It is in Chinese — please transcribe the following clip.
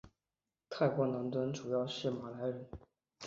泰国南端主要是马来人。